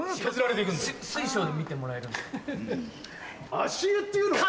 足湯っていうのはね。